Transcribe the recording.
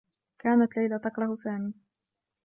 كانت ليلى تكره سامي.